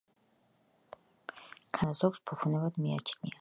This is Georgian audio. ქანქარიანი საათის ქონა ზოგს ფუფუნებად მიაჩნია.